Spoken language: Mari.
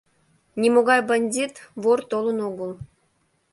Нимогай бандит, вор толын огыл...